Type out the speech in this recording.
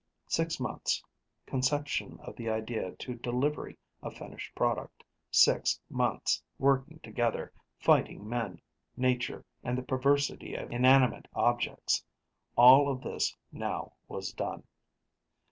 Six months: conception of the idea to delivery of finished product; six months, working together, fighting men, nature, and the perversity of inanimate objects all of this now was done.